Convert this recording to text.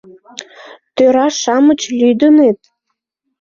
— Тӧра-шамыч лӱдыныт...